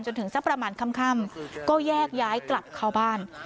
สักประมาณค่ำก็แยกย้ายกลับเข้าบ้าน